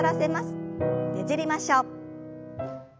ねじりましょう。